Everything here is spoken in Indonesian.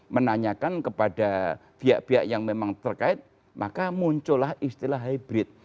menanyakan kepada pihak pihak yang memang terkait maka muncullah istilah hybrid